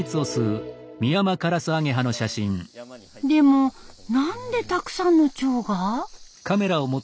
でも何でたくさんのチョウが？